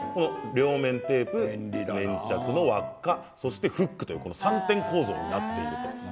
両面テープ粘着の方、そしてフックという３点構造になっています。